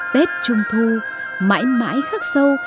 tết trung thu mãi mãi khắc sâu